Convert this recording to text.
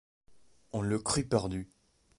On le crut perdu.